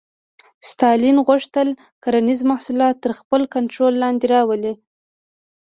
ستالین غوښتل کرنیز محصولات تر خپل کنټرول لاندې راولي